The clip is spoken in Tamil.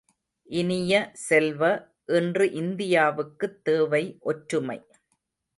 இனிய செல்வ, இன்று இந்தியாவுக்குத் தேவை ஒற்றுமை!